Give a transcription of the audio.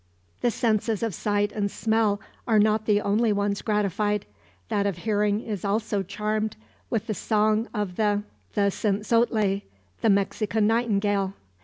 The senses of sight and smell are not the only ones gratified; that of hearing is also charmed with the song of the czentzontle, the Mexican nightingale.